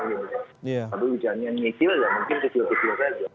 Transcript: tapi hujannya nyicil ya mungkin kecil kecil saja